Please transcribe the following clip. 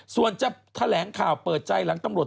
ส่วนจะแถลงข่าวเปิดใจหลังตำรวจ